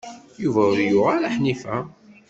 Yuba ur yuɣ ara Ḥnifa.